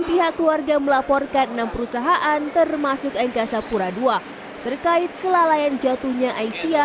pihak keluarga melaporkan enam perusahaan termasuk angkasa pura ii terkait kelalaian jatuhnya aisyah